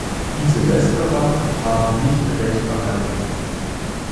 Diese Lästerer haben nicht recht behalten!